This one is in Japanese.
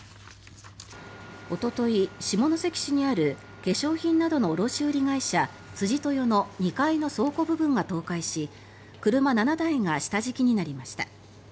おととい、下関市にある化粧品などの卸売会社、辻豊の２階の倉庫部分が倒壊し車７台が下敷きになりました。